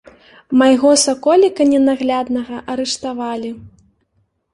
Майго саколіка ненагляднага арыштавалі.